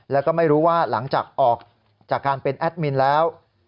แล้วก็ไม่รู้ว่าหลังจากออกจากการเป็นแอดมินแล้ว